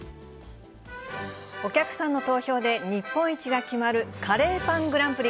お客さんの投票で日本一が決まる、カレーパングランプリ。